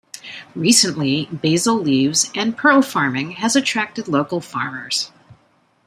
Recently Basil Leaves and Pearl farming has attracted local farmers.